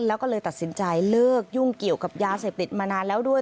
แล้วก็เลยตัดสินใจเลิกยุ่งเกี่ยวกับยาเสพติดมานานแล้วด้วย